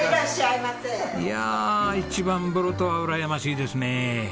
いや一番風呂とはうらやましいですね。